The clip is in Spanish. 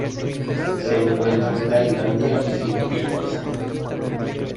Se encuentra en Tailandia y Filipinas.